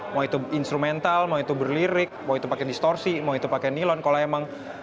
mau itu instrumental mau itu berlirik mau itu pakai distorsi mau itu pakai nilon kalau emang